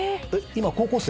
今高校生？